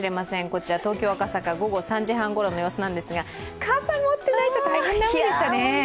こちら、東京・赤坂、午後３時半ごろの様子なんですが、傘持ってないと大変でしたね。